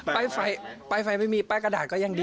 ป้ายไฟไม่มีป้ายกระดาษก็ยังดี